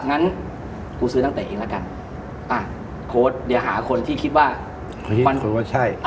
งั้นกูซื้อนักเตะเองละกันอ่ะโค้ดเดี๋ยวหาคนที่คิดว่ามั่นคงว่าใช่